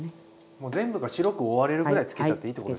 もう全部が白く覆われるぐらいつけちゃっていいってことですよね。